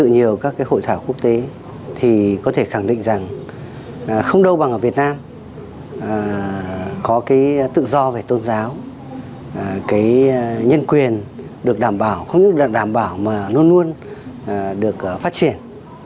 niệm quyền được đảm bảo không chỉ được đảm bảo mà luôn luôn được phát triển